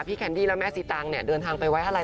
พี่แคนดี้แล้วแม่สิตางเดินทางไปไว้อะไร